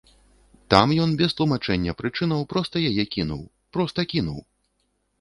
Там ён без тлумачэння прычынаў проста яе кінуў, проста кінуў!